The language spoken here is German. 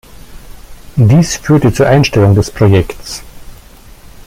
Dies führte zur Einstellung des Projekts.